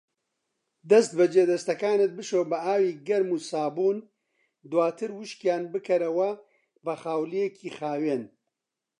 دەستبەجی دەستەکانت بشۆ بە ئاوی گەرم و سابوون، دواتر وشکیان بکەرەوە بە خاولیەکی خاوین.